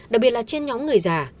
đặc biệt là trên nhóm người già